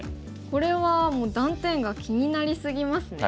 これはもう断点が気になり過ぎますね。